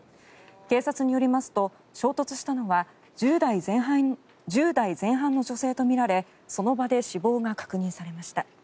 警察によりますと、衝突したのは１０代前半の女性とみられその場で死亡が確認されました。